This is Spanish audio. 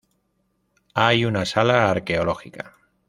Hay una sala arqueológica.